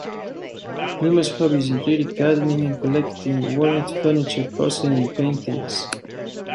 Nimmo's hobbies included gardening and collecting walnut furniture, porcelain and paintings.